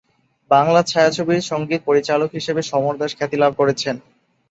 বাংলা ছায়াছবির সঙ্গীত পরিচালক হিসেবে সমর দাস খ্যাতি লাভ করেছেন।